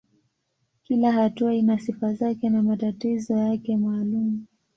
Kila hatua ina sifa zake na matatizo yake maalumu.